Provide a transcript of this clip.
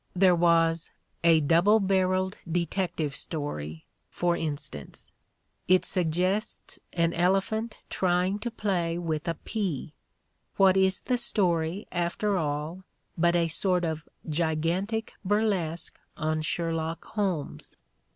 There was "A Double Barrelled Detective Story," for instance: it suggests an elephant trying to play with a pea. What is the story, after all, but a sort of gigantic burlesque on "Sherlock Holmes"?